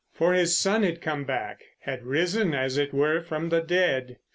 For his son had come back—had risen, as it were, from the dead.